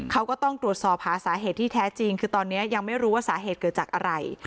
เขาก็ต้องตรวจสอบหาสาเหตุที่แท้จริงคือตอนนี้ยังไม่รู้ว่าสาเหตุเกิดจากอะไร